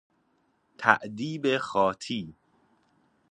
تأدیب خاطی